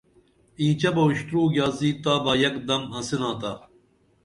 اینچہ بہ اُشتُرُو گیاڅی تابہ یک دم آنسِناتا